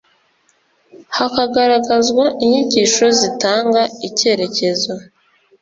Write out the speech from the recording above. hakagaragazwa inyigisho zitanga icyerekezo